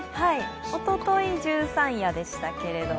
おととい十三夜でしたけれども。